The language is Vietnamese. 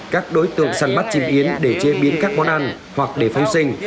các đối tượng săn bắt chim yến để chế biến các món ăn hoặc để phân sinh